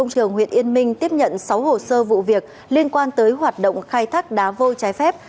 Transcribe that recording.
công trường huyện yên minh tiếp nhận sáu hồ sơ vụ việc liên quan tới hoạt động khai thác đá vôi trái phép